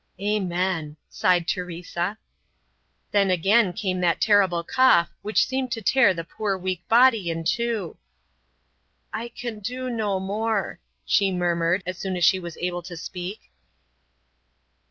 "Amen," sighed Teresa. Then again came that terrible cough which seemed to tear the poor weak body in two. "I can do no more," she murmured, as soon as she was able to speak.